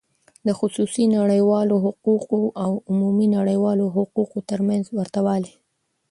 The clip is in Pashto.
د خصوصی نړیوالو حقوقو او عمومی نړیوالو حقوقو تر منځ ورته والی :